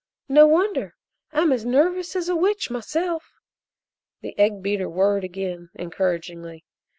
No wonder I'm as nervous as a witch myself." The egg beater whirred again encouragingly.